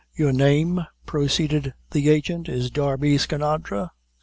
"Your name," proceeded the agent, "is Darby Skinadre?"